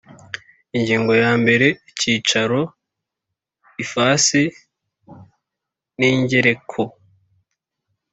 Ingingo ya mbere Icyicaro ifasi n ingereko